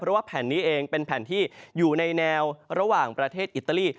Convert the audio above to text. เพราะว่าแผ่นนี้เองเป็นแผ่นที่อยู่ในแนวระหว่างประเทศอิตาลี